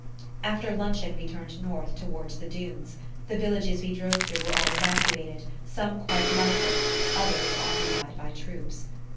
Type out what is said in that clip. After luncheon we turned north, toward the dunes. The villages we drove through were all evacuated, some quite lifeless, others occupied by troops.